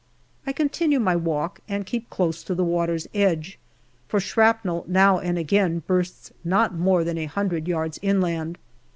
I continue my walk and keep close to the water's edge, for shrapnel now and again bursts not more than a hundred yards inland.